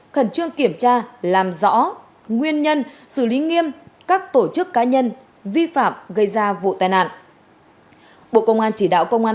khẩn trương kiểm tra làm rõ nguyên nhân xử lý nghiêm các tổ chức cá nhân vi phạm gây ra vụ tai nạn